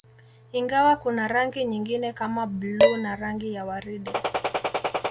Ingawa kuna rangi nyingine kama bluu na rangi ya waridi